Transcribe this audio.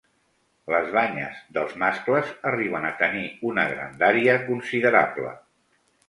Les banyes dels mascles arriben a tenir una grandària considerable.